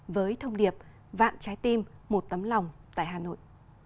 với thông điệp vạn trái tim một tấm lòng tại hà nội